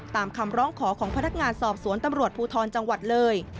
ตามคำร้องขอของพนักงานสอบสวนตำรวจภูทรจังหวัดเลย